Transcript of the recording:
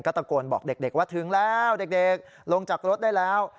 ตะโกนบอกเด็กว่าถึงแล้วเด็กลงจากรถได้แล้ว